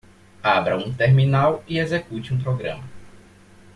Abra um terminal e execute um programa.